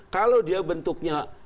kalau dia bentuknya